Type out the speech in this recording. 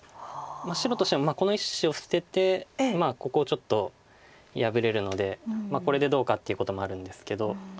白としてはこの１子を捨ててここをちょっと破れるのでこれでどうかっていうこともあるんですけど。